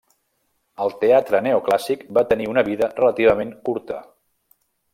El teatre neoclàssic va tenir una vida relativament curta.